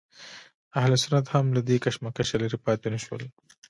اهل سنت هم له دې کشمکشه لرې پاتې نه شول.